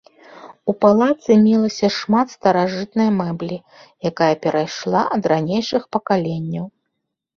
У палацы мелася шмат старажытнай мэблі, якая перайшла ад ранейшых пакаленняў.